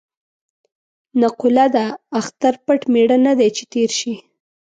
نقوله ده: اختر پټ مېړه نه دی چې تېر شي.